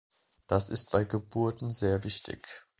Das ist bei Geburten sehr wichtig.